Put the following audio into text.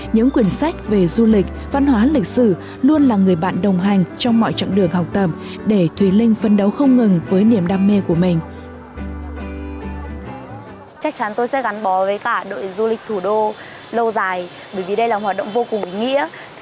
những quyển sách về du lịch văn hóa lịch sử luôn là người bạn đồng hành trong mọi trận đường học tầm để thùy linh phân đấu không ngừng với niềm đam mê của mình